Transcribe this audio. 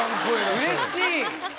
うれしい！